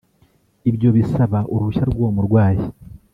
ibyo bisaba uruhushya rw’uwo murwayi